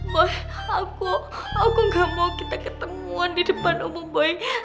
boy aku aku gak mau kita ketemuan di depan umum boeing